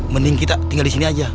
mending kita tinggal disini aja